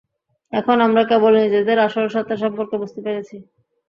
এখন আমরা কেবল নিজেদের আসল সত্ত্বা সম্পর্কে বুঝতে পেরেছি।